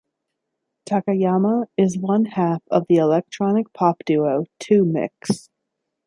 Takayama is one half of the electronic pop duo Two-Mix.